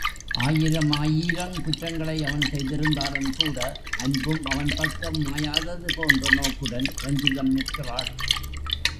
ஆயிரமாயீரங் குற்றங்களை அவன் செய்திருந்தாலுங்கூட, அன்பும் அவன் பக்கம் மாயாதது போன்ற நோக்குடன் ரஞ்சிதம் நிற்கிறாள்.